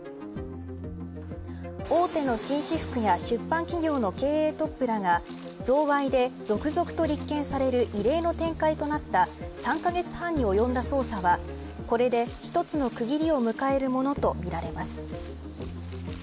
大手の紳士服や出版企業の経営トップらが贈賄で続々と立件される異例の展開となった３カ月半に及んだ捜査はこれで一つの区切りを迎えるものとみられます。